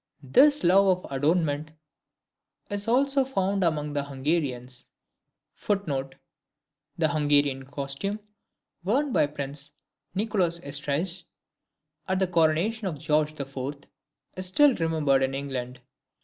This love of adornment is also found among the Hungarians, [Footnote: The Hungarian costume worn by Prince Nicholas Esterhazy at the coronation of George the Fourth, is still remembered in England.